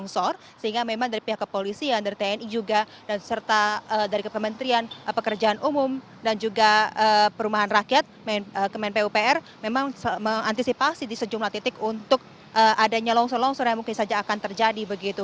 sehingga memang dari pihak kepolisian dari tni juga dan serta dari kementerian pekerjaan umum dan juga perumahan rakyat kemen pupr memang mengantisipasi di sejumlah titik untuk adanya longsor longsor yang mungkin saja akan terjadi begitu